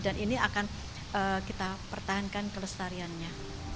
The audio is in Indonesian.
dan ini akan kita pertahankan kelestariannya